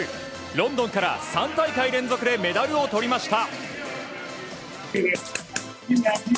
ロンドンから３大会連続でメダルをとりました。